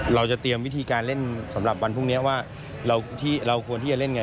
เราจะเตรียมวิธีการเล่นสำหรับวันพรุ่งนี้ว่าเราควรที่จะเล่นไง